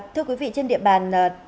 thưa quý vị trên địa bàn